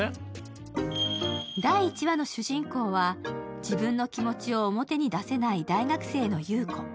第１話の主人公は自分の気持ちを表に出せない大学生の優子。